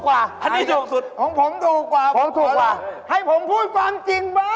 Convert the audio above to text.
อันนี้ถูกสุดผมถูกกว่าให้ผมพูดความจริงบ้าง